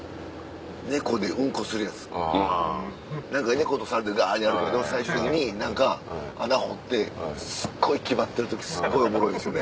猫と猿でガってやるけど最終的に何か穴掘ってすっごい気張ってる時すっごいおもろいんですよね。